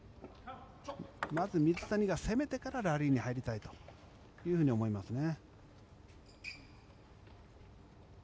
まず水谷が攻めてからラリーに入りたいというふうに思いますね。